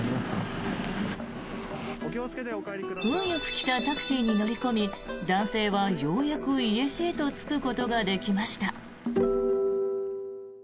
運よく来たタクシーに乗り込み男性はようやく家路へと就くことができました。